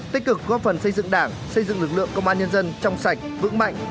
tích cực góp phần xây dựng đảng xây dựng lực lượng công an nhân dân trong sạch vững mạnh